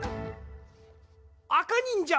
あかにんじゃ！